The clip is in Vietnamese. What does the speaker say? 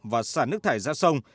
và xả nước thải ra sông